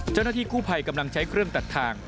เจ้าหน้าที่กู้ภัยกำลังใช้เครื่องตัดทาง